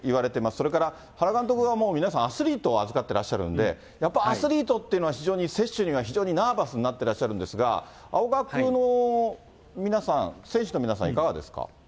それから原監督はもう、皆さん、アスリートを預かってらっしゃるんで、やっぱアスリートというのは、接種には非常にナーバスになってらっしゃるんですが、青学の皆さん、選手の皆さん、いかがですか？